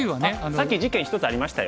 さっき事件１つありましたよ。